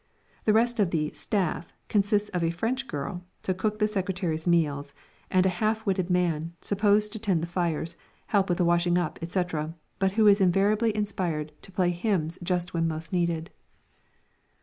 The rest of the "staff" consists of a French girl, to cook the secretaries' meals, and a half witted man, supposed to tend the fires, help with the washing up, etc., but who is invariably inspired to play hymns just when most needed.